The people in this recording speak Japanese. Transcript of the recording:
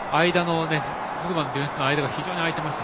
ディフェンスの間が非常に空いていました。